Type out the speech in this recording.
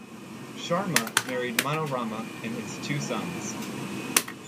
Sharma married Manorama and has two sons.